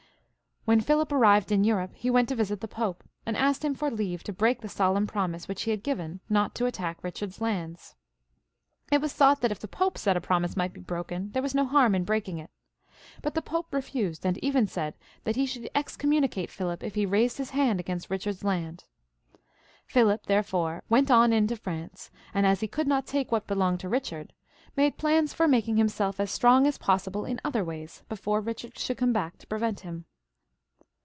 When Philip arrived in Europe he went to visit the Pope, and asked him for leave to break the solemn promise which he had given not to attack Eichard's lands. It was thought that if the Pope said a promise might be broken, there was no harm in breaking it ; but the Pope refused, and even said that he should excommunicate Philip if he raised his hand against Eichard's land. Philip, therefore, went on into France, and as he could not take what belonged to Eichard, made plans for making himself as strong as possible in other ways before Eichard should come back to prevent him.